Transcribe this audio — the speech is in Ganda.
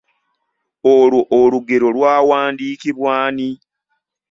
Olwo olugero lwawandiikibwa ani?